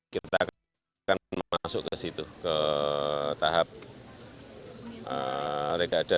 kita akan masuk ke situ ke tahap rekada